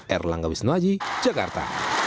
erlang gawisnoaji jakarta